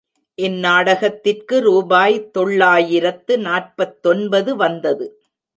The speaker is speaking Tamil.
இந்நாடகத்திற்கு ரூபாய் தொள்ளாயிரத்து நாற்பத்தொன்பது வந்தது.